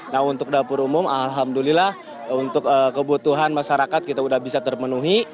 nah untuk dapur umum alhamdulillah untuk kebutuhan masyarakat kita sudah bisa terpenuhi